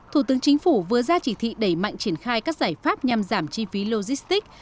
thủ tướng chính phủ vừa ra chỉ thị đẩy mạnh triển khai các giải pháp nhằm giảm chi phí logistics